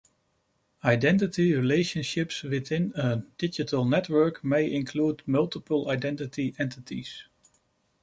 Identity relationships within a digital network may include multiple identity entities.